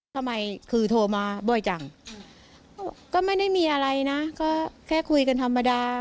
ทำไมคือโทรมาบ่อยจังก็ไม่ได้มีอะไรนะก็แค่คุยกันธรรมดา